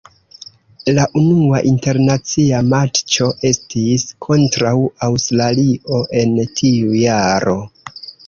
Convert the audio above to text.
La unua internacia matĉo estis kontraŭ Aŭstralio en tiu jaro.